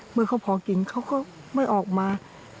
เมื่อเขาพอกินเขาก็ไม่ออกมา